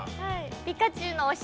◆ピカチュウのお尻。